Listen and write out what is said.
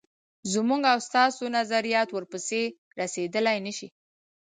زموږ او ستاسو نظریات ورپسې رسېدلای نه شي.